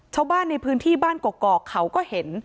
ชาวบ้านในพื้นที่บ้านกอกเขาก็เห็น